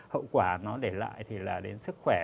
hậu quả nó để lại thì là đến sức khỏe